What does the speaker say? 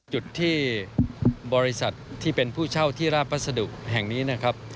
จุดที่บริษัทที่เป็นผู้เช่าที่ราบพัสดุแห่งนี้นะครับ